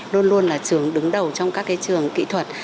luôn luôn là trường đứng đầu trong các trường kỹ thuật